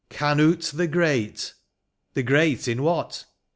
Canute the Great !— the great in what